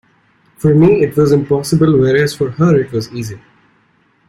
For me it was impossible, whereas for her it was easy.